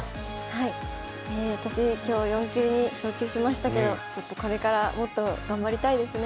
私今日４級に昇級しましたけどちょっとこれからもっと頑張りたいですね。